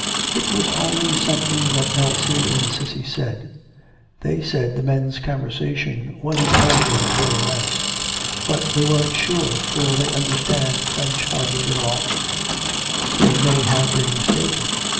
It was only something that Elsie and Cissy said. They said the men's conversation wasn't always very nice. But they weren't sure, for they understand French hardly at all they may have been mistaken.